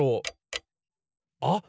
あっ！